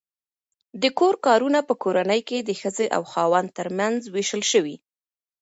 د کور کارونه په کورنۍ کې د ښځې او خاوند ترمنځ وېشل شوي.